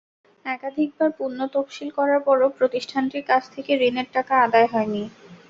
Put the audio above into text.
একাধিকবার পুনঃ তফসিল করার পরও প্রতিষ্ঠানটির কাছ থেকে ঋণের টাকা আদায় হয়নি।